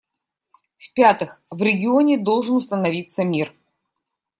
В-пятых, в регионе должен установиться мир.